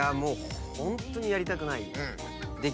ホントにやりたくない。